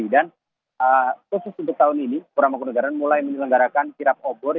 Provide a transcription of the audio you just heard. dan khusus untuk tahun ini puramangkode garan mulai menyelenggarakan kirap obor